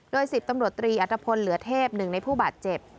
โดย๑๐ตำรวจตรีอัตภพลเหลือเทพหนึ่งในผู้บาดเจ็บ